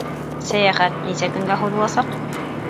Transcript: Сәйәхәт нисә көнгә һуҙыласаҡ?